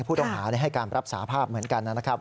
ผู้ต้องหาให้การรับสาภาพเหมือนกันนะครับ